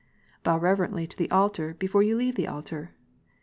" Bow reverently to the altar, before you leave the altar."